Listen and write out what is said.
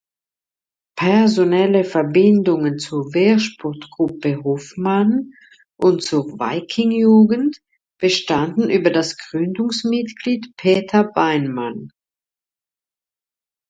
Personelle Verbindungen zur Wehrsportgruppe Hoffmann und zur Wiking-Jugend bestanden über das Gründungsmitglied Peter Weinmann.